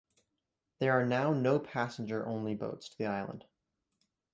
There are now no passenger-only boats to the island.